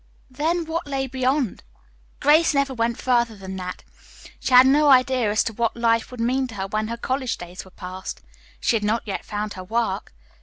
Then what lay beyond? Grace never went further than that. She had no idea as to what life would mean to her when her college days were past. She had not yet found her work.